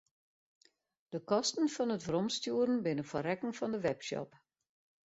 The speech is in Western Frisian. De kosten fan it weromstjoeren binne foar rekken fan de webshop.